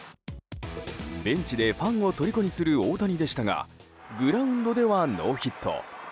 ベンチでファンをとりこにする大谷でしたがグラウンドではノーヒット。